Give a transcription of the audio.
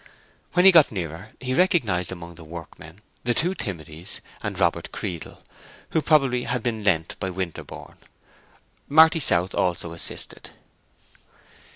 When he got nearer he recognized among the workmen the two Timothys, and Robert Creedle, who probably had been "lent" by Winterborne; Marty South also assisted.